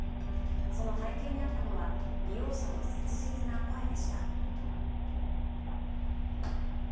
その背景にあったのは利用者の切実な声でした。